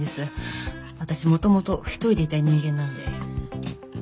私もともと一人でいたい人間なので。